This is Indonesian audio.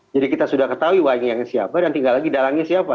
jadi kita sudah ketahui wayangnya siapa dan tinggal lagi dalangnya siapa